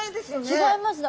違いますね。